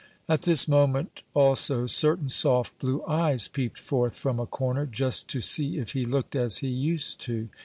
At this moment, also, certain soft blue eyes peeped forth from a corner, just "to see if he looked as he used to."